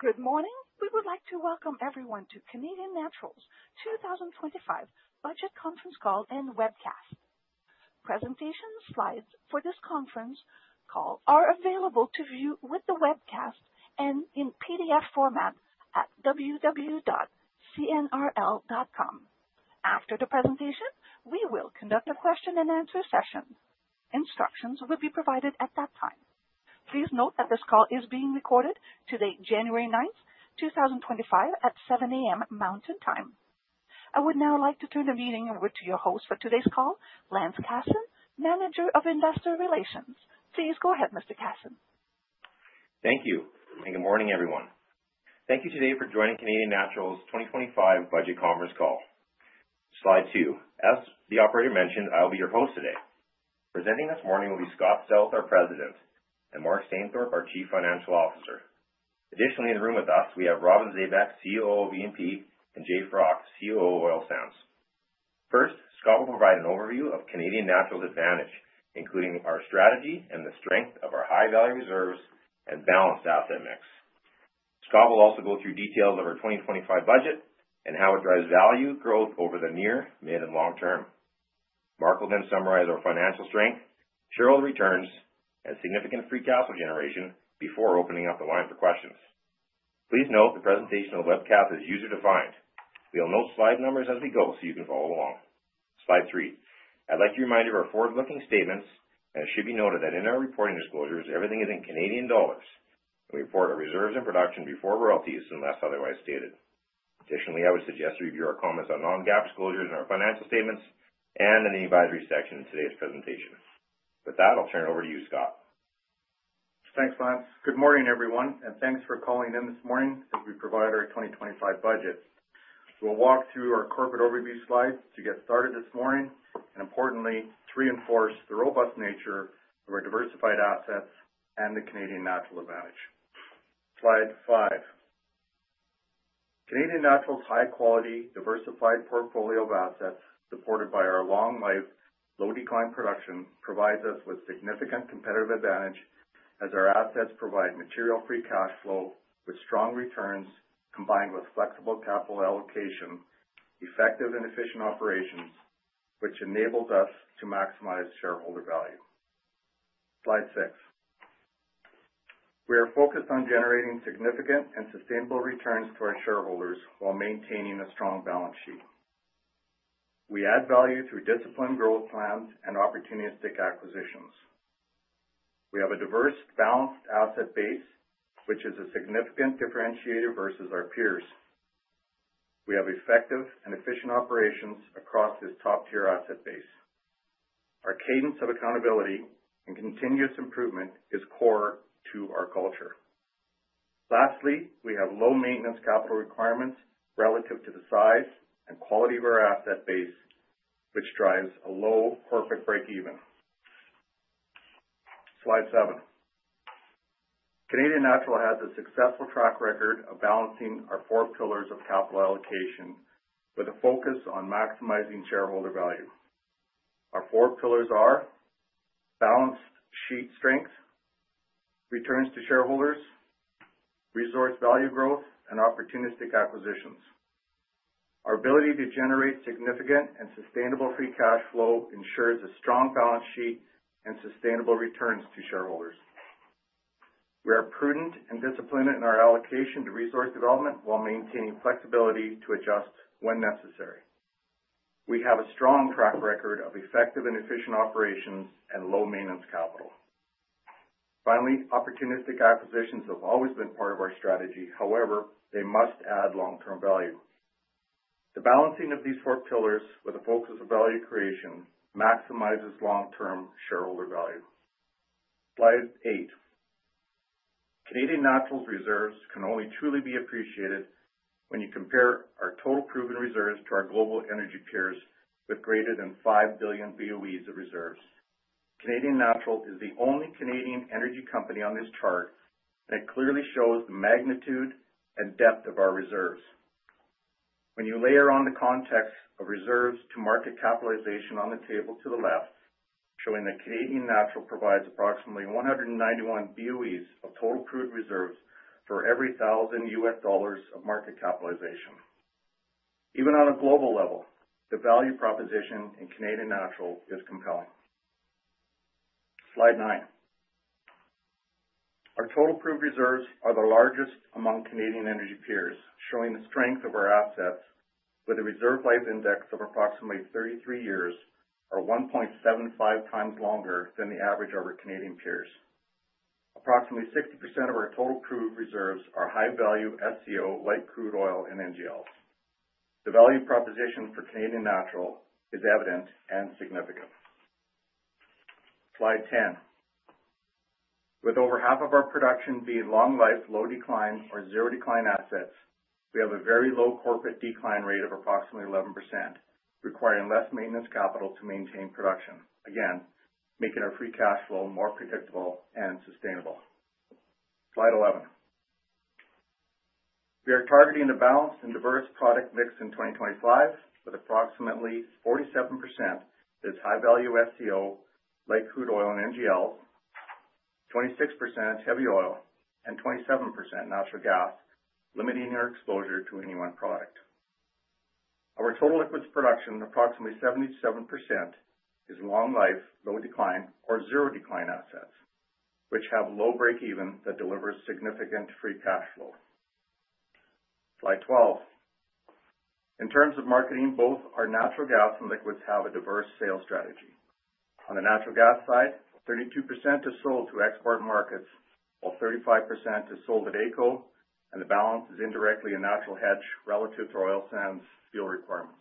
Good morning. We would like to welcome everyone to Canadian Natural's 2025 Budget Conference Call and Webcast. Presentation slides for this conference call are available to view with the webcast and in PDF format at www.cnrl.com. After the presentation, we will conduct a question-and-answer session. Instructions will be provided at that time. Please note that this call is being recorded today, January 9th, 2025, at 7:00 A.M. Mountain Time. I would now like to turn the meeting over to your host for today's call, Lance Casson, Manager of Investor Relations. Please go ahead, Mr. Casson. Thank you. Good morning, everyone. Thank you today for joining Canadian Natural's 2025 Budget Conference Call. Slide 2. As the operator mentioned, I'll be your host today. Presenting this morning will be Scott Stauth, our President, and Mark Stainthorpe, our Chief Financial Officer. Additionally, in the room with us, we have Robin Zabek, COO of E&P, and Jay Froc, COO of Oil Sands. First, Scott will provide an overview of Canadian Natural's advantage, including our strategy and the strength of our high-value reserves and balanced asset mix. Scott will also go through details of our 2025 budget and how it drives value growth over the near, mid, and long term. Mark will then summarize our financial strength, shareholder returns, and significant free cash flow generation before opening up the line for questions. Please note the presentation of the webcast is user-defined. We'll note slide numbers as we go so you can follow along. Slide 3. I'd like to remind you of our forward-looking statements, and it should be noted that in our reporting disclosures, everything is in Canadian dollars. We report our reserves and production before royalties unless otherwise stated. Additionally, I would suggest you review our comments on non-GAAP disclosures in our financial statements and in the advisory section in today's presentation. With that, I'll turn it over to you, Scott. Thanks, Lance. Good morning, everyone, and thanks for calling in this morning as we provide our 2025 budget. We'll walk through our corporate overview slides to get started this morning and, importantly, to reinforce the robust nature of our diversified assets and the Canadian Natural Advantage. Slide 5. Canadian Natural's high-quality, diversified portfolio of assets supported by our long-life, low-decline production provides us with significant competitive advantage as our assets provide material free cash flow with strong returns combined with flexible capital allocation, effective and efficient operations, which enables us to maximize shareholder value. Slide 6. We are focused on generating significant and sustainable returns to our shareholders while maintaining a strong balance sheet. We add value through disciplined growth plans and opportunistic acquisitions. We have a diverse, balanced asset base, which is a significant differentiator versus our peers. We have effective and efficient operations across this top-tier asset base. Our cadence of accountability and continuous improvement is core to our culture. Lastly, we have low maintenance capital requirements relative to the size and quality of our asset base, which drives a low corporate break-even. Slide 7. Canadian Natural has a successful track record of balancing our four pillars of capital allocation with a focus on maximizing shareholder value. Our four pillars are balance sheet strength, returns to shareholders, resource value growth, and opportunistic acquisitions. Our ability to generate significant and sustainable free cash flow ensures a strong balance sheet and sustainable returns to shareholders. We are prudent and disciplined in our allocation to resource development while maintaining flexibility to adjust when necessary. We have a strong track record of effective and efficient operations and low maintenance capital. Finally, opportunistic acquisitions have always been part of our strategy. However, they must add long-term value. The balancing of these four pillars with a focus on value creation maximizes long-term shareholder value. Slide 8. Canadian Natural's reserves can only truly be appreciated when you compare our total proved reserves to our global energy peers with greater than five billion BOEs of reserves. Canadian Natural is the only Canadian energy company on this chart, and it clearly shows the magnitude and depth of our reserves. When you layer on the context of reserves to market capitalization on the table to the left, showing that Canadian Natural provides approximately 191 BOEs of total proved reserves for every $1,000 of market capitalization. Even on a global level, the value proposition in Canadian Natural is compelling. Slide 9. Our total proved reserves are the largest among Canadian energy peers, showing the strength of our assets with a reserve life index of approximately 33 years, or 1.75 times longer than the average of our Canadian peers. Approximately 60% of our total proved reserves are high-value SCO, light crude oil, and NGLs. The value proposition for Canadian Natural is evident and significant. Slide 10. With over half of our production being long-life, low-decline, or zero-decline assets, we have a very low corporate decline rate of approximately 11%, requiring less maintenance capital to maintain production, again making our free cash flow more predictable and sustainable. Slide 11. We are targeting a balanced and diverse product mix in 2025 with approximately 47% that's high-value SCO, light crude oil, and NGLs, 26% heavy oil, and 27% natural gas, limiting our exposure to any one product. Our total liquids production, approximately 77%, is long-life, low-decline, or zero-decline assets, which have low break-even that delivers significant free cash flow. Slide 12. In terms of marketing, both our natural gas and liquids have a diverse sales strategy. On the natural gas side, 32% is sold to export markets, while 35% is sold at AECO, and the balance is indirectly a natural hedge relative to oil sands fuel requirements.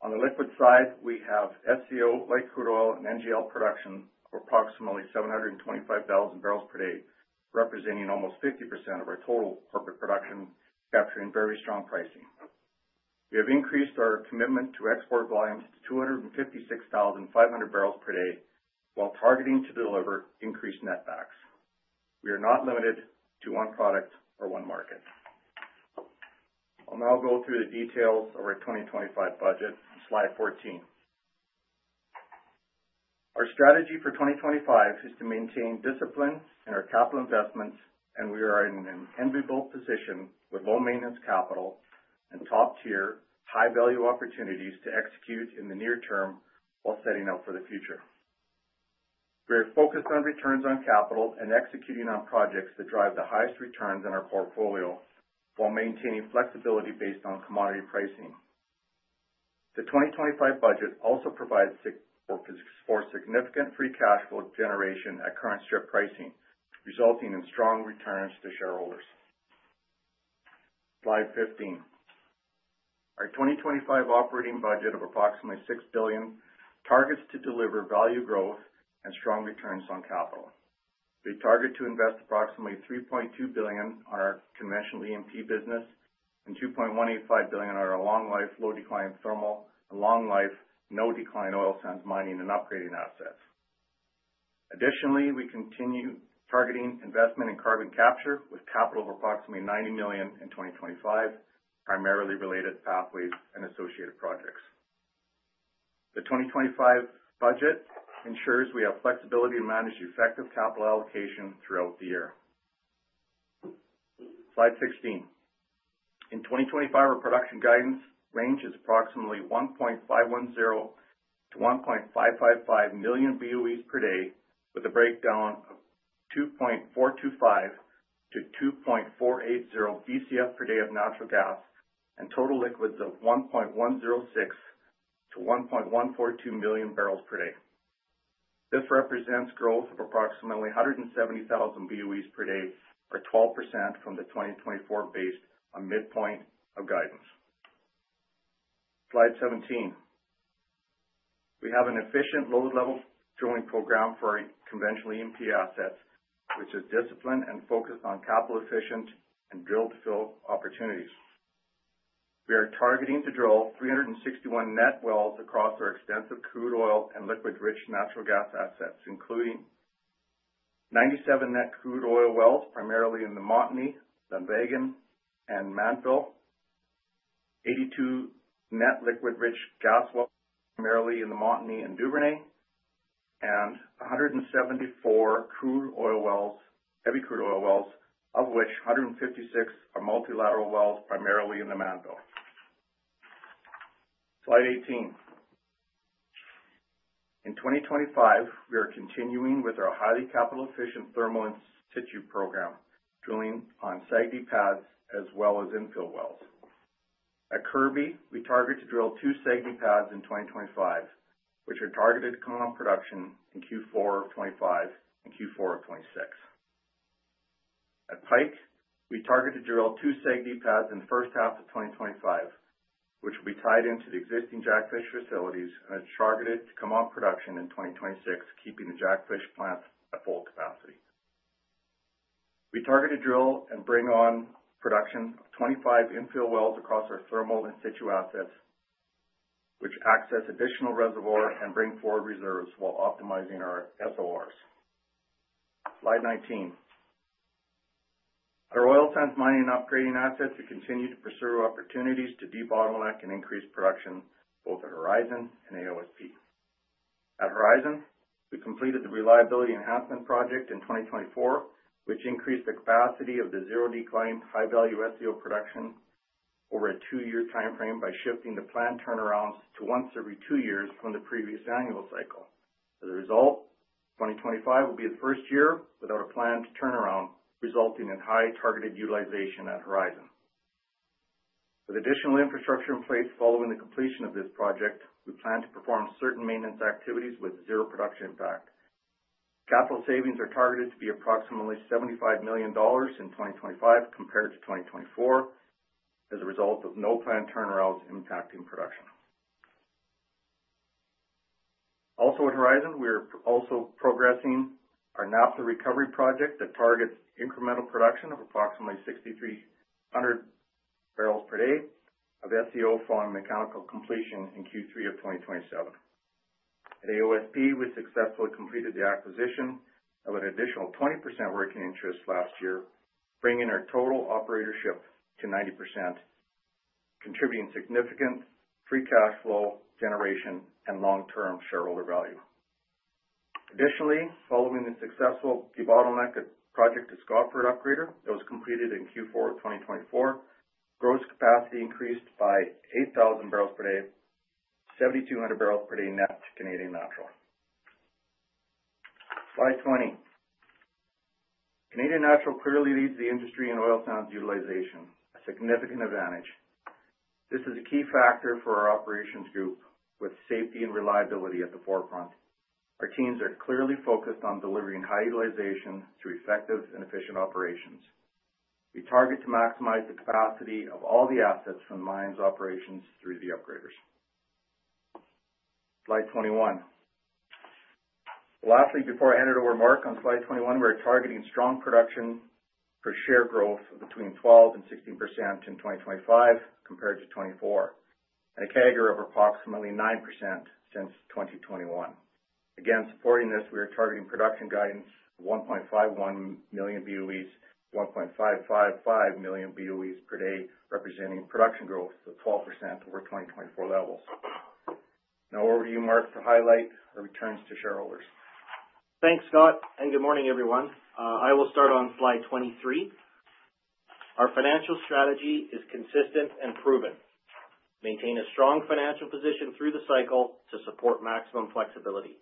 On the liquids side, we have SCO, light crude oil, and NGL production of approximately 725,000 barrels per day, representing almost 50% of our total corporate production, capturing very strong pricing. We have increased our commitment to export volumes to 256,500 barrels per day while targeting to deliver increased netback. We are not limited to one product or one market. I'll now go through the details of our 2025 budget on Slide 14. Our strategy for 2025 is to maintain discipline in our capital investments, and we are in an enviable position with low maintenance capital and top-tier high-value opportunities to execute in the near term while setting up for the future. We are focused on returns on capital and executing on projects that drive the highest returns in our portfolio while maintaining flexibility based on commodity pricing. The 2025 budget also provides for significant free cash flow generation at current strip pricing, resulting in strong returns to shareholders. Slide 15. Our 2025 operating budget of approximately 6 billion targets to deliver value growth and strong returns on capital. We target to invest approximately 3.2 billion on our conventional E&P business and 2.185 billion on our long-life, low-decline thermal and long-life, no-decline oil sands mining and upgrading assets. Additionally, we continue targeting investment in carbon capture with capital of approximately 90 million in 2025, primarily related Pathways and associated projects. The 2025 budget ensures we have flexibility to manage effective capital allocation throughout the year. Slide 16. In 2025, our production guidance range is approximately 1.510-1.555 million BOEs per day, with a breakdown of 2.425-2.480 BCF per day of natural gas and total liquids of 1.106-1.142 million barrels per day. This represents growth of approximately 170,000 BOEs per day, or 12% from the 2024 based on midpoint of guidance. Slide 17. We have an efficient low-level drilling program for our conventional E&P assets, which is disciplined and focused on capital-efficient and drill-to-fill opportunities. We are targeting to drill 361 net wells across our extensive crude oil and liquids-rich natural gas assets, including 97 net crude oil wells primarily in the Montney, the Viking, and Mannville, 82 net liquids-rich gas wells primarily in the Montney and Duvernay, and 174 crude oil wells, heavy crude oil wells, of which 156 are multilateral wells primarily in the Mannville. Slide 18. In 2025, we are continuing with our highly capital-efficient thermal in situ program, drilling on SAGD pads as well as infill wells. At Kirby, we target to drill two SAGD pads in 2025, which are targeted to come on production in Q4 of 2025 and Q4 of 2026. At Pike, we target to drill two SAGD pads in the first half of 2025, which will be tied into the existing Jackfish facilities and is targeted to come on production in 2026, keeping the Jackfish plants at full capacity. We target to drill and bring on production of 25 infill wells across our thermal in situ assets, which access additional reservoir and bring forward reserves while optimizing our SORs. Slide 19. Our oil sands mining and upgrading assets continue to pursue opportunities to debottleneck and increase production both at Horizon and AOSP. At Horizon, we completed the reliability enhancement project in 2024, which increased the capacity of the zero-decline, high-value SCO production over a two-year timeframe by shifting the planned turnarounds to once every two years from the previous annual cycle. As a result, 2025 will be the first year without a planned turnaround, resulting in high targeted utilization at Horizon. With additional infrastructure in place following the completion of this project, we plan to perform certain maintenance activities with zero production impact. Capital savings are targeted to be approximately $75 million in 2025 compared to 2024 as a result of no planned turnarounds impacting production. Also at Horizon, we are also progressing our naphtha recovery project that targets incremental production of approximately 6,300 barrels per day of SCO following mechanical completion in Q3 of 2027. At AOSP, we successfully completed the acquisition of an additional 20% working interest last year, bringing our total operatorship to 90%, contributing significant free cash flow generation and long-term shareholder value. Additionally, following the successful debottleneck project at Scotford Upgrader, that was completed in Q4 of 2024, gross capacity increased by 8,000 barrels per day, 7,200 barrels per day net to Canadian Natural. Slide 20. Canadian Natural clearly leads the industry in oil sands utilization, a significant advantage. This is a key factor for our operations group with safety and reliability at the forefront. Our teams are clearly focused on delivering high utilization through effective and efficient operations. We target to maximize the capacity of all the assets from the mines operations through the upgraders. Slide 21. Lastly, before I hand it over to Mark on Slide 21, we are targeting strong production per share growth between 12%-16% in 2025 compared to 2024, and a CAGR of approximately 9% since 2021. Again, supporting this, we are targeting production guidance of 1.51 million BOEs, 1.555 million BOEs per day, representing production growth of 12% over 2024 levels. Now over to you, Mark, to highlight our returns to shareholders. Thanks, Scott, and good morning, everyone. I will start on Slide 23. Our financial strategy is consistent and proven. Maintain a strong financial position through the cycle to support maximum flexibility.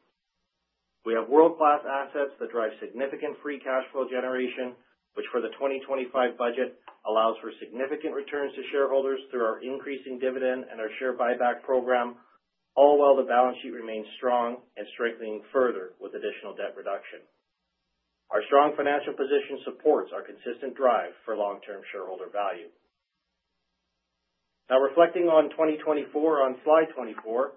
We have world-class assets that drive significant free cash flow generation, which for the 2025 budget allows for significant returns to shareholders through our increasing dividend and our share buyback program, all while the balance sheet remains strong and strengthening further with additional debt reduction. Our strong financial position supports our consistent drive for long-term shareholder value. Now reflecting on 2024, on Slide 24,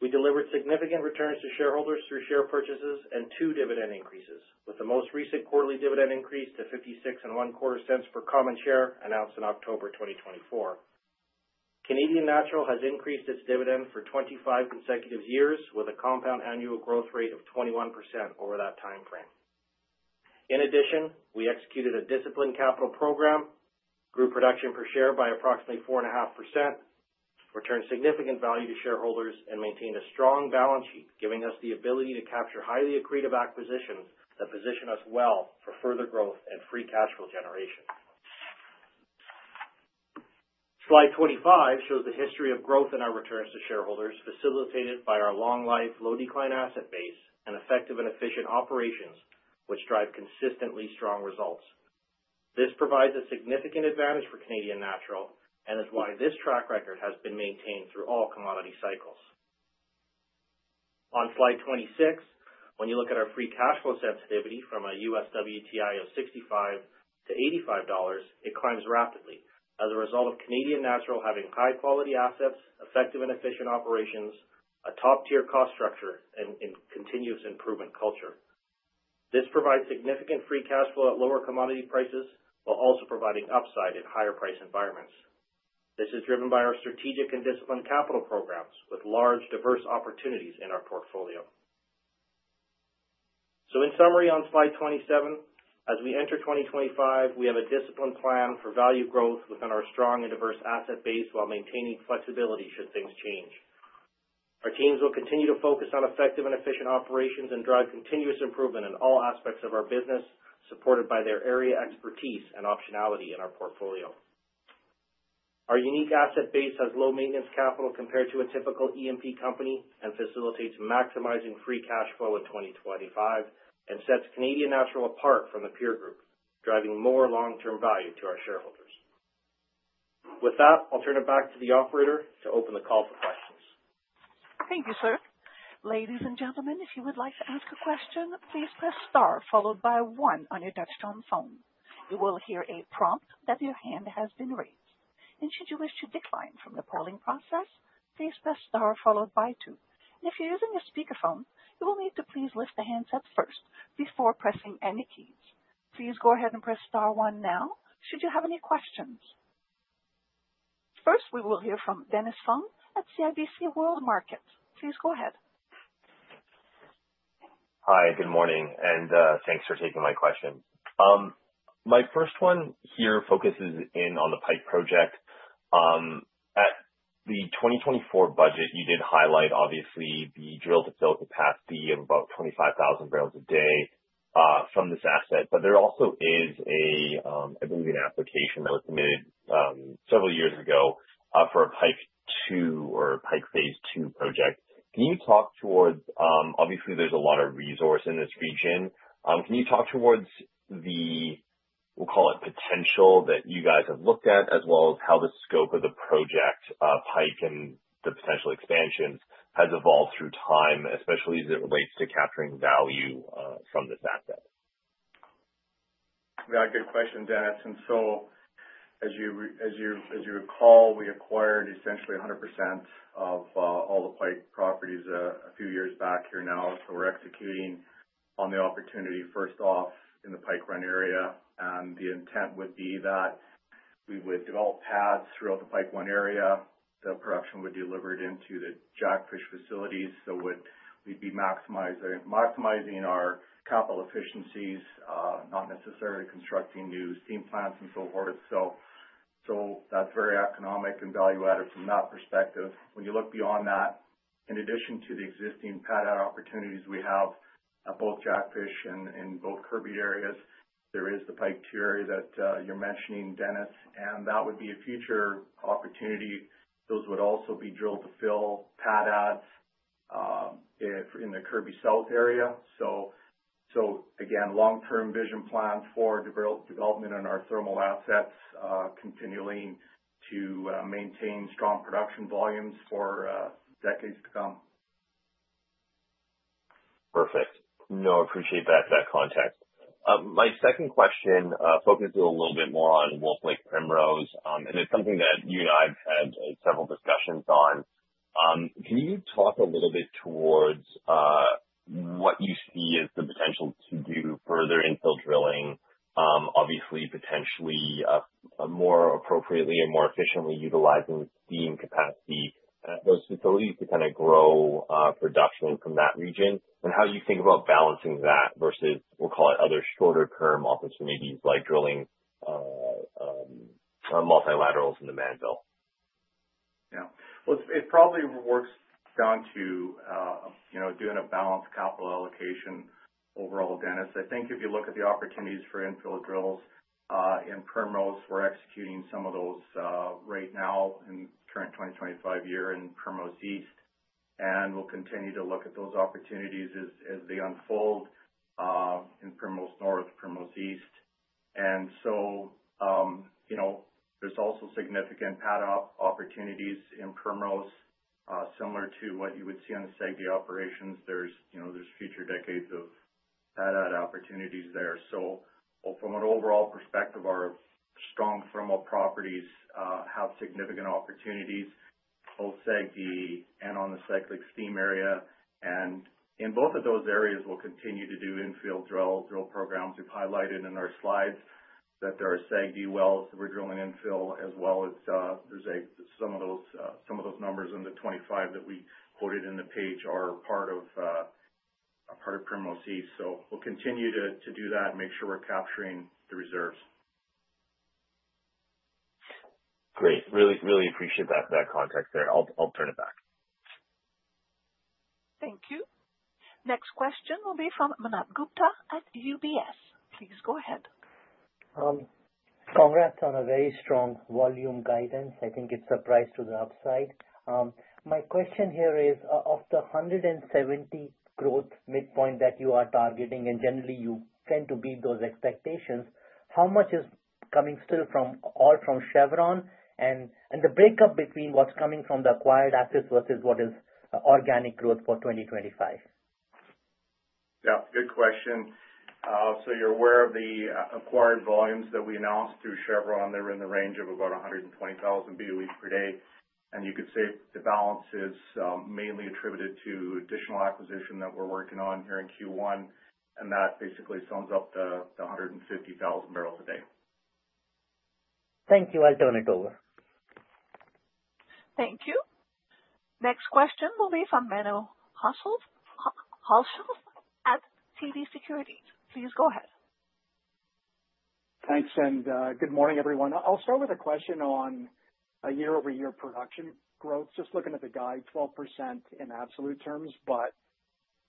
we delivered significant returns to shareholders through share purchases and two dividend increases, with the most recent quarterly dividend increase to 0.5625 per common share announced in October 2024. Canadian Natural has increased its dividend for 25 consecutive years with a compound annual growth rate of 21% over that timeframe. In addition, we executed a disciplined capital program, grew production per share by approximately 4.5%, returned significant value to shareholders, and maintained a strong balance sheet, giving us the ability to capture highly accretive acquisitions that position us well for further growth and free cash flow generation. Slide 25 shows the history of growth in our returns to shareholders, facilitated by our long-life, low-decline asset base and effective and efficient operations, which drive consistently strong results. This provides a significant advantage for Canadian Natural and is why this track record has been maintained through all commodity cycles. On Slide 26, when you look at our free cash flow sensitivity from a US WTI of $65-$85, it climbs rapidly as a result of Canadian Natural having high-quality assets, effective and efficient operations, a top-tier cost structure, and a continuous improvement culture. This provides significant free cash flow at lower commodity prices while also providing upside in higher price environments. This is driven by our strategic and disciplined capital programs with large, diverse opportunities in our portfolio. So in summary, on Slide 27, as we enter 2025, we have a disciplined plan for value growth within our strong and diverse asset base while maintaining flexibility should things change. Our teams will continue to focus on effective and efficient operations and drive continuous improvement in all aspects of our business, supported by their area expertise and optionality in our portfolio. Our unique asset base has low maintenance capital compared to a typical E&P company and facilitates maximizing free cash flow in 2025 and sets Canadian Natural apart from the peer group, driving more long-term value to our shareholders. With that, I'll turn it back to the operator to open the call for questions. Thank you, sir. Ladies and gentlemen, if you would like to ask a question, please press Star followed by One on your touch-tone phone. You will hear a prompt that your hand has been raised. And should you wish to decline from the polling process, please press Star followed by Two. And if you're using a speakerphone, you will need to please lift the handset up first before pressing any keys. Please go ahead and press Star One now should you have any questions. First, we will hear from Dennis Fong at CIBC World Markets. Please go ahead. Hi, good morning, and thanks for taking my question. My first one here focuses in on the Pike project. At the 2024 budget, you did highlight, obviously, the drill-to-fill capacity of about 25,000 barrels a day from this asset, but there also is a, I believe, an application that was submitted several years ago for a Pike 2 or Pike phase II project. Can you talk towards, obviously, there's a lot of resource in this region? Can you talk towards the, we'll call it potential that you guys have looked at, as well as how the scope of the project, Pike, and the potential expansions has evolved through time, especially as it relates to capturing value from this asset? Yeah, good question, Dennis. And so, as you recall, we acquired essentially 100% of all the Pike properties a few years back here now. So we're executing on the opportunity, first off, in the Pike 1 area. The intent would be that we would develop pads throughout the Pike 1 area. The production would be delivered into the Jackfish facilities. We'd be maximizing our capital efficiencies, not necessarily constructing new steam plants and so forth. That's very economic and value-added from that perspective. When you look beyond that, in addition to the existing pad opportunities we have at both Jackfish and in both Kirby areas, there is the Pike 2 area that you're mentioning, Dennis, and that would be a future opportunity. Those would also be drill-to-fill pads in the Kirby South area. Again, long-term vision plan for development in our thermal assets, continuing to maintain strong production volumes for decades to come. Perfect. No, I appreciate that context. My second question focuses a little bit more on Wolf Lake Primrose, and it's something that you and I have had several discussions on. Can you talk a little bit towards what you see as the potential to do further infill drilling, obviously, potentially more appropriately or more efficiently utilizing steam capacity at those facilities to kind of grow production from that region, and how you think about balancing that versus, we'll call it, other shorter-term opportunities like drilling multilaterals in the Mannville? Yeah. Well, it probably works down to doing a balanced capital allocation overall, Dennis. I think if you look at the opportunities for infill drills in Primrose, we're executing some of those right now in the current 2025 year in Primrose East, and we'll continue to look at those opportunities as they unfold in Primrose North, Primrose East. And so there's also significant pad opportunities in Primrose, similar to what you would see on the SAGD operations. There's future decades of pad opportunities there. So from an overall perspective, our strong thermal properties have significant opportunities both SAGD and on the cyclic steam area, and in both of those areas, we'll continue to do infill drill programs we've highlighted in our slides, that there are SAGD wells that we're drilling infill, as well as there's some of those numbers in the 25 that we quoted in the page are part of Primrose East, so we'll continue to do that and make sure we're capturing the reserves. Great. Really, really appreciate that context there. I'll turn it back. Thank you. Next question will be from Manav Gupta at UBS. Please go ahead. Congrats on a very strong volume guidance. I think it's a price to the upside. My question here is, of the 170 growth midpoint that you are targeting, and generally, you tend to beat those expectations, how much is coming still all from Chevron, and the breakup between what's coming from the acquired assets versus what is organic growth for 2025? Yeah. Good question. So you're aware of the acquired volumes that we announced through Chevron. They're in the range of about 120,000 BOEs per day. And you could say the balance is mainly attributed to additional acquisition that we're working on here in Q1, and that basically sums up the 150,000 barrels a day. Thank you. I'll turn it over. Thank you. Next question will be from Menno Hulshof at TD Securities. Please go ahead. Thanks, and good morning, everyone. I'll start with a question on year-over-year production growth. Just looking at the guidance, 12% in absolute terms, but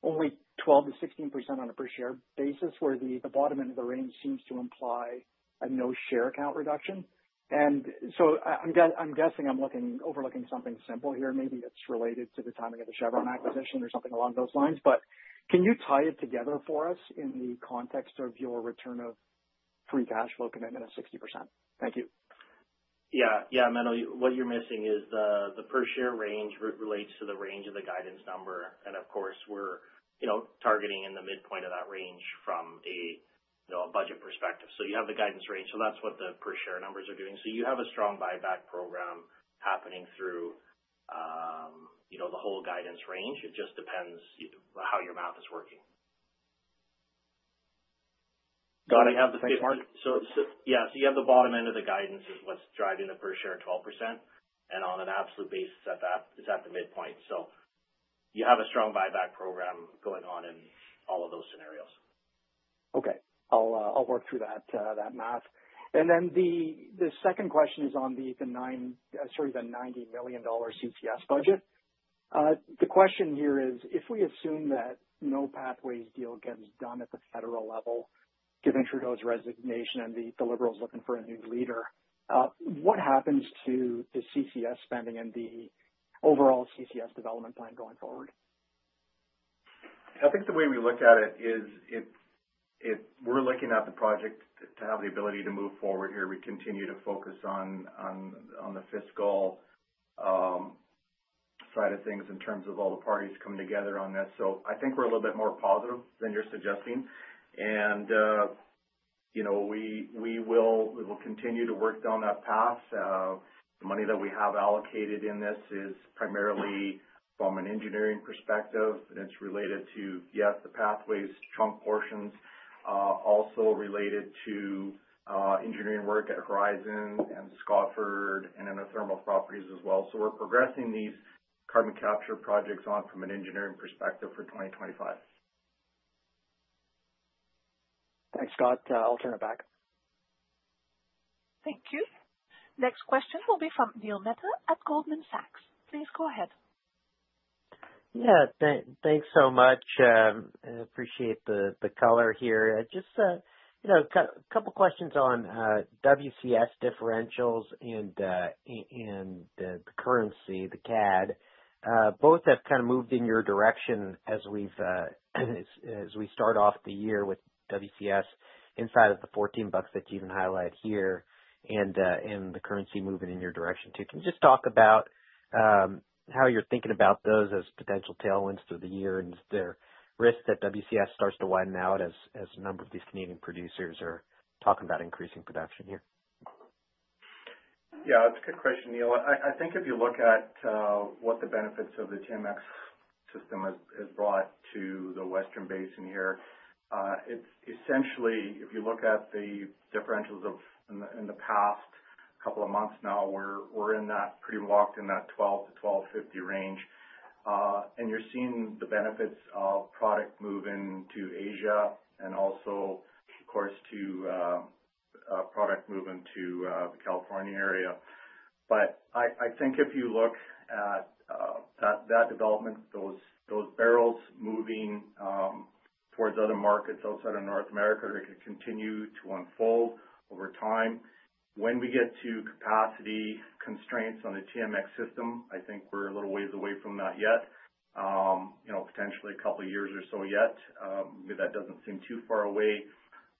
only 12%-16% on a per-share basis, where the bottom end of the range seems to imply a no share count reduction. And so I'm guessing I'm overlooking something simple here. Maybe it's related to the timing of the Chevron acquisition or something along those lines. But can you tie it together for us in the context of your return of free cash flow commitment of 60%? Thank you. Yeah. Yeah, Menno, what you're missing is the per-share range relates to the range of the guidance number. And of course, we're targeting in the midpoint of that range from a budget perspective. So you have the guidance range. So that's what the per-share numbers are doing. So you have a strong buyback program happening through the whole guidance range. It just depends how your math is working. Got it. Thanks, Mark. Yeah. So you have the bottom end of the guidance is what's driving the per-share 12%, and on an absolute basis, it's at the midpoint. So you have a strong buyback program going on in all of those scenarios. Okay. I'll work through that math. And then the second question is on the 90 million dollar CCS budget. The question here is, if we assume that no Pathways deal gets done at the federal level, given Trudeau's resignation and the Liberals looking for a new leader, what happens to CCS spending and the overall CCS development plan going forward? I think the way we look at it is we're looking at the project to have the ability to move forward here. We continue to focus on the fiscal side of things in terms of all the parties coming together on this. So I think we're a little bit more positive than you're suggesting. And we will continue to work down that path. The money that we have allocated in this is primarily from an engineering perspective, and it's related to, yes, the pathways, trunk portions, also related to engineering work at Horizon and Scotford and in the thermal properties as well. So we're progressing these carbon capture projects on from an engineering perspective for 2025. Thanks, Scott. I'll turn it back. Thank you. Next question will be from Neil Mehta at Goldman Sachs. Please go ahead. Yeah. Thanks so much. I appreciate the color here. Just a couple of questions on WCS differentials and the currency, the CAD. Both have kind of moved in your direction as we start off the year with WCS inside of the $14 that you even highlight here and the currency moving in your direction too. Can you just talk about how you're thinking about those as potential tailwinds through the year and the risk that WCS starts to widen out as a number of these Canadian producers are talking about increasing production here? Yeah. That's a good question, Neil. I think if you look at what the benefits of the TMX system has brought to the Western Basin here, it's essentially, if you look at the differentials over the past couple of months now, we're pretty locked in that $12-$12.50 range. And you're seeing the benefits of product moving to Asia and also, of course, to product moving to the California area. But I think if you look at that development, those barrels moving towards other markets outside of North America, it could continue to unfold over time. When we get to capacity constraints on the TMX system, I think we're a little ways away from that yet, potentially a couple of years or so yet. Maybe that doesn't seem too far away.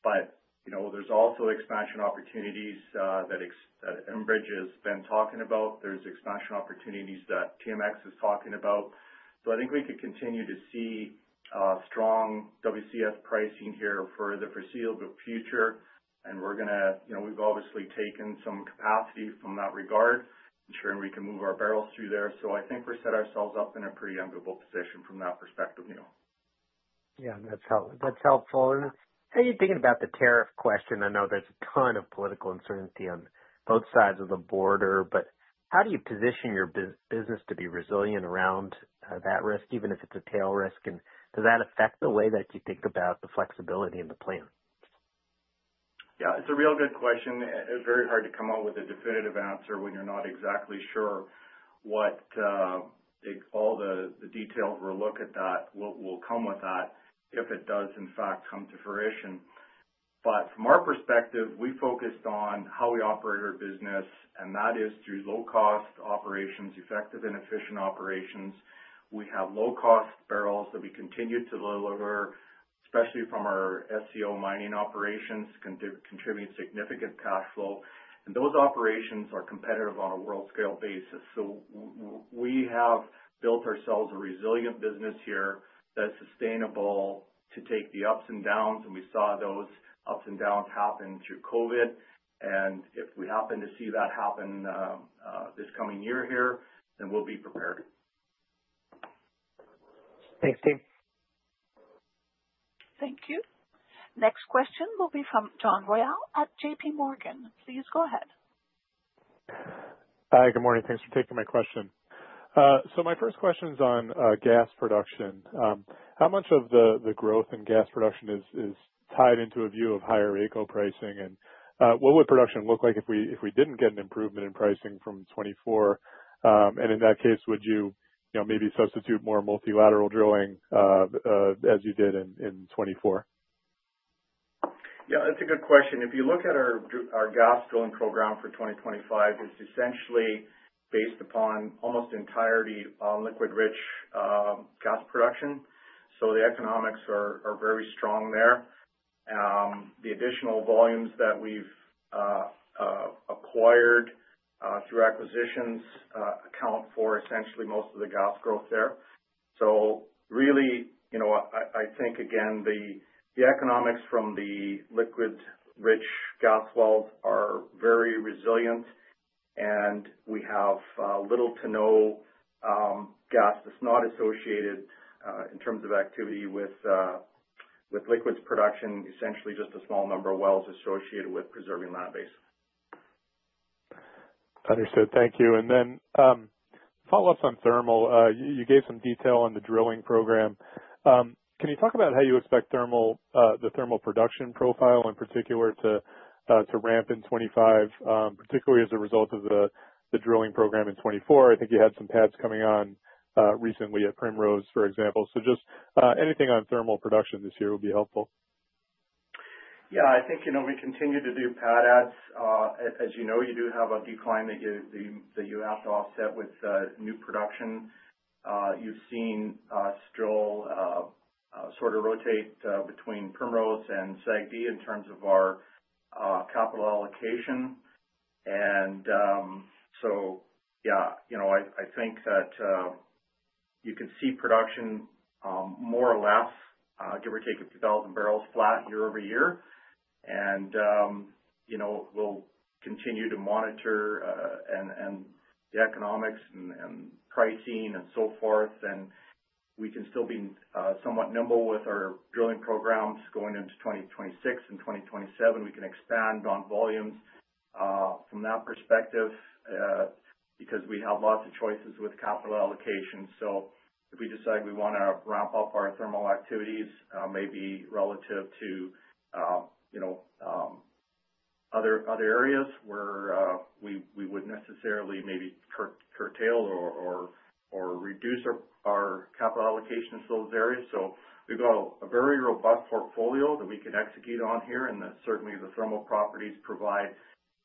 But there's also expansion opportunities that Enbridge has been talking about. There's expansion opportunities that TMX is talking about. So I think we could continue to see strong WCS pricing here for the foreseeable future. And we've obviously taken some capacity in that regard, ensuring we can move our barrels through there. So I think we're setting ourselves up in a pretty unbeatable position from that perspective, Neil. Yeah. That's helpful, and how are you thinking about the tariff question? I know there's a ton of political uncertainty on both sides of the border, but how do you position your business to be resilient around that risk, even if it's a tail risk? And does that affect the way that you think about the flexibility and the plan? Yeah. It's a real good question. It's very hard to come up with a definitive answer when you're not exactly sure what all the details we'll look at that will come with that if it does, in fact, come to fruition. But from our perspective, we focused on how we operate our business, and that is through low-cost operations, effective and efficient operations. We have low-cost barrels that we continue to deliver, especially from our SCO mining operations, contribute significant cash flow. And those operations are competitive on a world-scale basis. So we have built ourselves a resilient business here that's sustainable to take the ups and downs. And we saw those ups and downs happen through COVID. And if we happen to see that happen this coming year here, then we'll be prepared. Thanks, team. Thank you. Next question will be from John Royall at JPMorgan. Please go ahead. Hi. Good morning. Thanks for taking my question. So my first question is on gas production. How much of the growth in gas production is tied into a view of higher AECO pricing? And what would production look like if we didn't get an improvement in pricing from 2024? And in that case, would you maybe substitute more multilateral drilling as you did in 2024? Yeah. That's a good question. If you look at our gas drilling program for 2025, it's essentially based upon almost entirely liquids-rich gas production. So the economics are very strong there. The additional volumes that we've acquired through acquisitions account for essentially most of the gas growth there. So really, I think, again, the economics from the liquids-rich gas wells are very resilient, and we have little to no gas that's not associated in terms of activity with liquids production, essentially just a small number of wells associated with preserving that base. Understood. Thank you. And then follow-ups on thermal. You gave some detail on the drilling program. Can you talk about how you expect the thermal production profile, in particular, to ramp in 2025, particularly as a result of the drilling program in 2024? I think you had some pads coming on recently at Primrose, for example. So just anything on thermal production this year would be helpful. Yeah. I think we continue to do pad adds. As you know, you do have a decline that you have to offset with new production. You've seen us drill, sort of rotate between Primrose and SAGD in terms of our capital allocation, and so, yeah, I think that you can see production more or less, give or take a few thousand barrels flat year over year. And we'll continue to monitor the economics and pricing and so forth, and we can still be somewhat nimble with our drilling programs going into 2026 and 2027. We can expand on volumes from that perspective because we have lots of choices with capital allocation, so if we decide we want to ramp up our thermal activities, maybe relative to other areas where we wouldn't necessarily maybe curtail or reduce our capital allocation in those areas. So we've got a very robust portfolio that we can execute on here, and certainly the thermal properties provide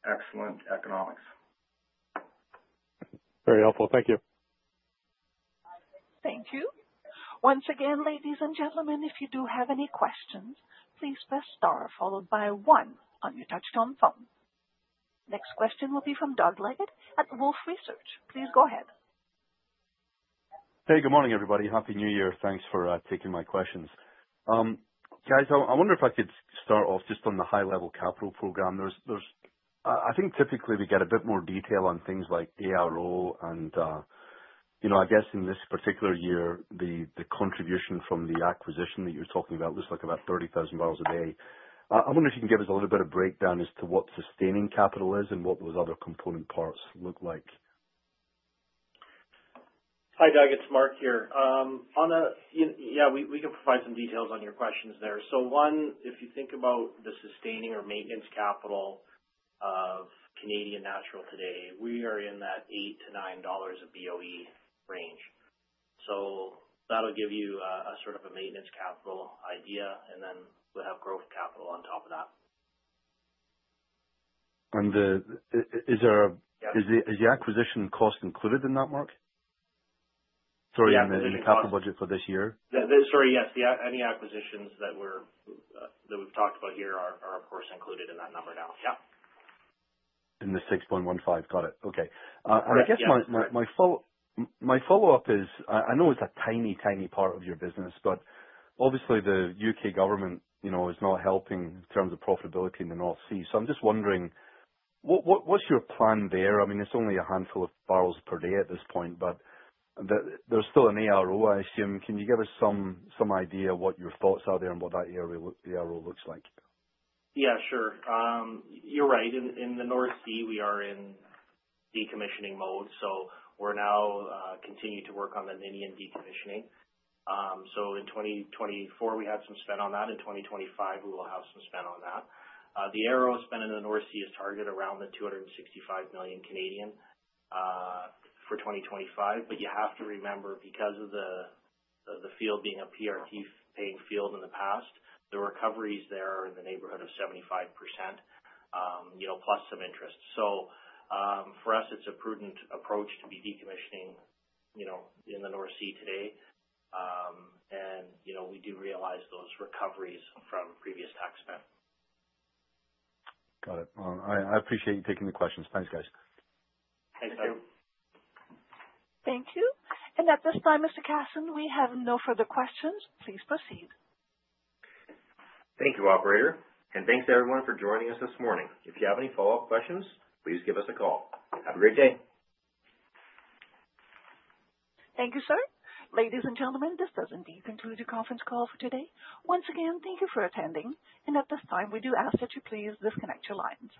excellent economics. Very helpful. Thank you. Thank you. Once again, ladies and gentlemen, if you do have any questions, please press star followed by one on your touch-tone phone. Next question will be from Doug Leggate at Wolfe Research. Please go ahead. Hey, good morning, everybody. Happy New Year. Thanks for taking my questions. Guys, I wonder if I could start off just on the high-level capital program. I think typically we get a bit more detail on things like ARO, and I guess in this particular year, the contribution from the acquisition that you're talking about looks like about $30,000 a day. I wonder if you can give us a little bit of breakdown as to what sustaining capital is and what those other component parts look like. Hi, Doug. It's Mark here. Yeah, we can provide some details on your questions there. So one, if you think about the sustaining or maintenance capital of Canadian Natural today, we are in that $8-$9 a BOE range. So that'll give you a sort of a maintenance capital idea, and then we'll have growth capital on top of that. Is the acquisition cost included in that, Mark? Sorry, in the capital budget for this year? Sorry, yes. Any acquisitions that we've talked about here are, of course, included in that number now. Yeah. In the $6.15. Got it. Okay. And I guess my follow-up is, I know it's a tiny, tiny part of your business, but obviously the U.K. government is not helping in terms of profitability in the North Sea. So I'm just wondering, what's your plan there? I mean, it's only a handful of barrels per day at this point, but there's still an ARO, I assume. Can you give us some idea what your thoughts are there and what that ARO looks like? Yeah, sure. You're right. In the North Sea, we are in decommissioning mode, so we're now continuing to work on the Ninian decommissioning, so in 2024, we had some spend on that. In 2025, we will have some spend on that. The ARO spend in the North Sea is targeted around 265 million for 2025. But you have to remember, because of the field being a PRT-paying field in the past, the recoveries there are in the neighborhood of 75%, plus some interest. So for us, it's a prudent approach to be decommissioning in the North Sea today, and we do realize those recoveries from previous tax spend. Got it. I appreciate you taking the questions. Thanks, guys. Thanks, Doug. Thank you. And at this time, Mr. Casson, we have no further questions. Please proceed. Thank you, operator. And thanks, everyone, for joining us this morning. If you have any follow-up questions, please give us a call. Have a great day. Thank you, sir. Ladies and gentlemen, this does indeed conclude your conference call for today. Once again, thank you for attending. And at this time, we do ask that you please disconnect your lines.